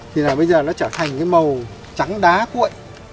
thì là bây giờ nó trở thành cái màu trắng đá cuội